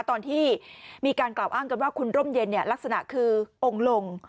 ตอนที่มีการกล่าวอ้างกันว่าคุณร่มเย็นลักษณะคือองค์ลง